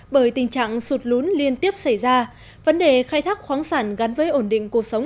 bởi tình trạng sụt lún liên tiếp xảy ra vấn đề khai thác khoáng sản gắn với ổn định cuộc sống